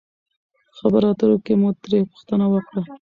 خبرو اترو کښې مو ترې پوښتنه وکړه